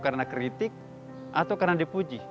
karena kritik atau karena dipuji